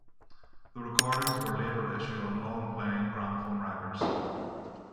The recordings were later issued on long-playing gramophone records.